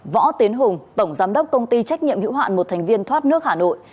võ tiến hùng tổng giám đốc công ty trách nhiệm hữu hạn một thành viên thoát nước hà nội